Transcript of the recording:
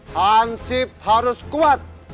hansip harus kuat